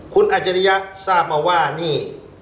คุณอาจริยะทราบมาว่านี่